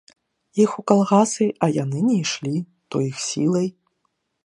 Іх у калгасы, а яны не ішлі, то іх сілай.